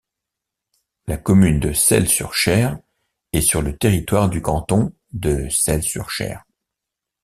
La commune de Selles-sur-Cher est sur le territoire du canton de Selles-sur-Cher.